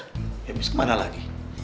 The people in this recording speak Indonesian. habis kemana lagi